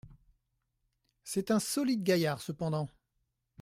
C’est un solide gaillard, cependant !